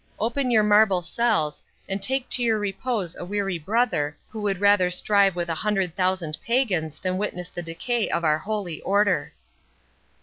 open your marble cells, and take to your repose a weary brother, who would rather strive with a hundred thousand pagans than witness the decay of our Holy Order!"